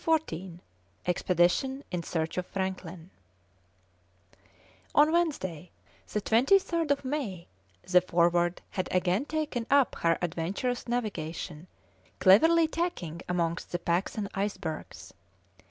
CHAPTER XIV EXPEDITION IN SEARCH OF FRANKLIN On Wednesday, the 23rd of May, the Forward had again taken up her adventurous navigation, cleverly tacking amongst the packs and icebergs.